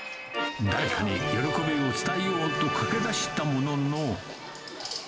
誰かに喜びを伝えようと駆け出したものの。